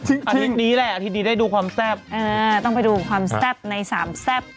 เอออันนี้แหละอาทิตย์นี้ได้ดูความแซ่บเออต้องไปดูความแซ่บใน๓แซ่บ